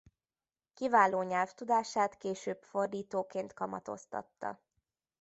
Kiváló nyelvtudását később fordítóként kamatoztatta.